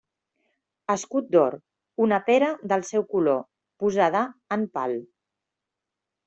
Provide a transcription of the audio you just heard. Escut d'or, una pera del seu color, posada en pal.